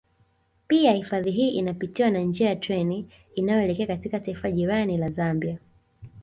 Pia hifadhi hii inapitiwa na njia ya treni inayoelekea katika taifa jirani la Zambia